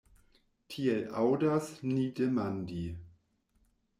Tiel aŭdas ni demandi.